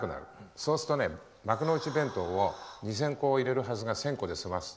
そうするとね、幕の内弁当を２０００個を入れるはずが１０００個で済ませる。